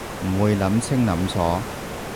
唔會諗清諗楚